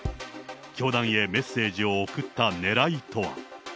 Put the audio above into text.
教団へメッセージを送ったねらいとは。